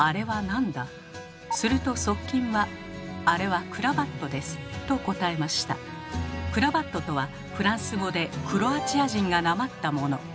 すると側近はクラヴァットとはフランス語で「クロアチア人」がなまったもの。